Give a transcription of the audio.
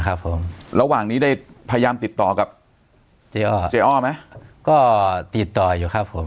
ครับผมระหว่างนี้ได้พยายามติดต่อกับเจ๊อ้อเจ๊อ้อไหมก็ติดต่ออยู่ครับผม